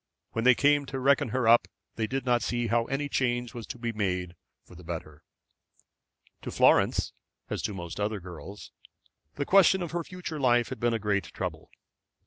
When they came to reckon her up they did not see how any change was to be made for the better. To Florence, as to most other girls, the question of her future life had been a great trouble.